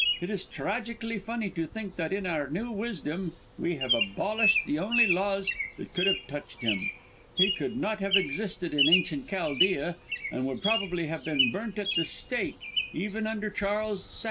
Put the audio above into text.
It is tragically funny to think that in our new wisdom we have abolished the only laws that could have touched him! He could not have existed in Ancient Chaldea, and would probably have been burnt at the stake even under Charles II.